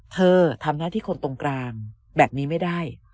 เธอทำหน้าที่คนตรงกลางแบบนี้ไม่ได้